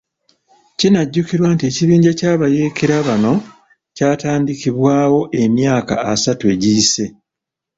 Kinajjukirwa nti ekibinja ky'abayeekera bano kyatandikibwawo emyaka asatu egiyise .